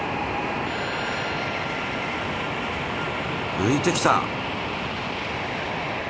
浮いてきた！